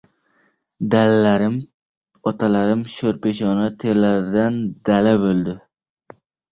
Dalalarim otalarim sho‘rpeshona terlaridan dala bo‘ldi